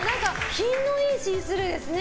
品のいいシースルーですね。